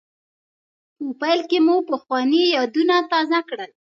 په پیل کې مو پخواني یادونه تازه کړل.